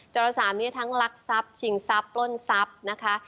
จรสามนี้ทั้งลักทรัพย์ชิงทรัพย์ปล้นทรัพย์นะคะ